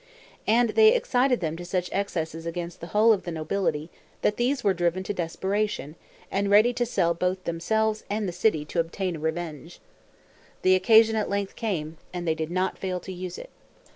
And they excited them to such excesses against the whole of the nobility, that these were driven to desperation, and ready to sell both themselves and the city to obtain revenge. The occasion at length came, and they did not fail to use it.